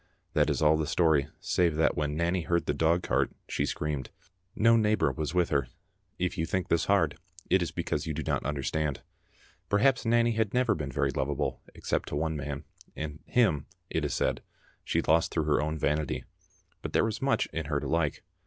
That is all the story save that when Nanny heard the dog cart she screamed. Digitized by VjOOQ IC Vtage^c of a Aud Doaee. ill No neighbour was with her. If you think this hard, it is because you do not understand. Perhaps Nanny had never been very lovable except to one man, and him, it is said, she lost through her own vanity; but there was much in her to like.